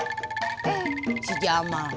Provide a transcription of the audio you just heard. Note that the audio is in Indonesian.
eh si jamal